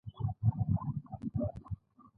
د خالصو اوبو او مالګې لرونکي اوبو درجې ولیکئ.